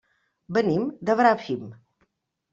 Venim de Bràfim.